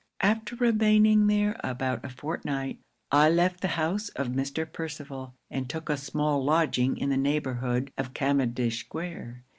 'After remaining there about a fortnight, I left the house of Mr. Percival, and took a small lodging in the neighbourhood of Cavendish square.